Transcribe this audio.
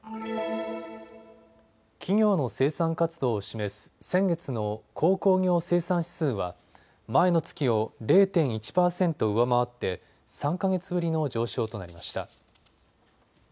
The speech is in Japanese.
企業の生産活動を示す先月の鉱工業生産指数は前の月を０．１％上回って３か月ぶりの上昇となりました。